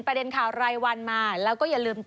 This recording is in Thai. ประเด็นข่าวรายวันมาแล้วก็อย่าลืม